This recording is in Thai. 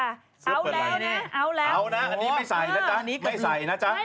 อันนี้ไม่ใส่นะจ๊ะ